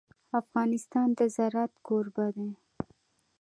افغانستان د زراعت کوربه دی.